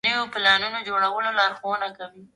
تنور د وږي زړه تسکین دی